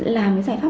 làm cái giải pháp